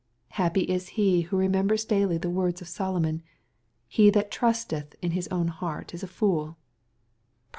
Happj is he who remembers daily the words of Solomon, '^ He that trusteth in his own heart is a fooL" (Prov.